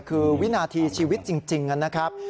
คือวินาทีชีวิตจริงนะครับ